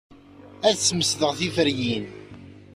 Ad smesdeɣ tiferyin.